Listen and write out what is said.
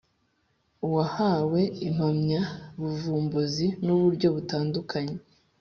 uwahawe impamyabuvumbuzi n uburyo butandukanye